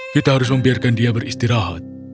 kita harus membiarkan dia beristirahat